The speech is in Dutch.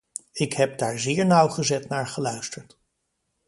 Ik heb daar zeer nauwgezet naar geluisterd.